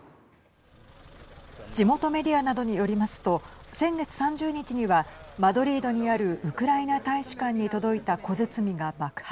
地元メディアなどによりますと先月３０日にはマドリードにあるウクライナ大使館に届いた小包が爆発。